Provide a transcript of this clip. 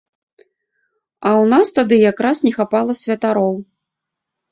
А ў нас тады якраз не хапала святароў.